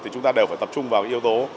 thì chúng ta đều phải tập trung vào cái yếu tố